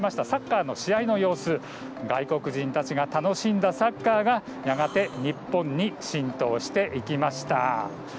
サッカーの試合の様子、外国人たちが楽しんだサッカーがやがて日本に浸透していきました。